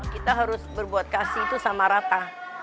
kita harus berbuat kasih itu sama rata